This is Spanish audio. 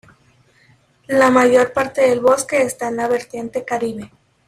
La mayor parte del bosque esta en la vertiente Caribe.